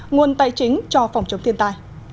nguồn tài chính cho phòng chống thiên tai